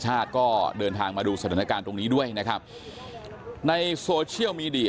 จับประฟะเมื่อการสี่สิบนาทีเมื่อวานนี้เนี่ย